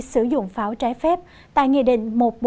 sử dụng pháo trái phép tại nghị định